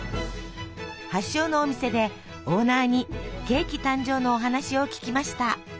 発祥のお店でオーナーにケーキ誕生のお話を聞きました。